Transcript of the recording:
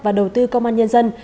và đầu tư công an nhân dân